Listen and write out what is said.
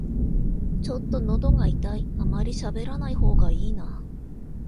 ちょっとのどが痛い、あまりしゃべらない方がいいな